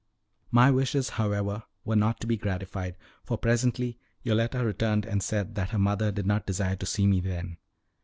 My wishes, however, were not to be gratified, for presently Yoletta returned and said that her mother did not desire to see me then.